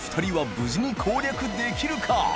無事に攻略できるか？